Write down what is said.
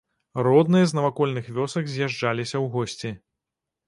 Родныя з навакольных вёсак з'язджаліся ў госці.